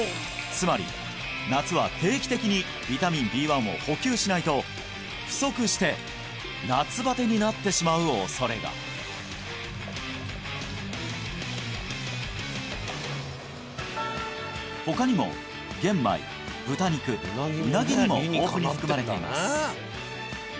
つまり夏は定期的にビタミンＢ１を補給しないと不足して夏バテになってしまう恐れが他にも玄米豚肉ウナギにも豊富に含まれています